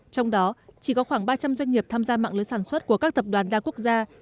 trong đó chỉ có khoảng ba trăm linh doanh nghiệp tham gia mạng lưới sản xuất của các tập đoàn đa quốc gia